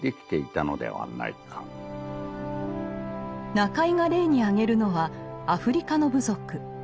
中井が例に挙げるのはアフリカの部族。